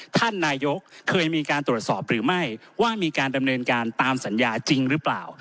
ท่านนายกเคยมีการตรวจสอบหรือไม่ว่ามีการดำเนินการตามสัญญาจริงหรือเปล่า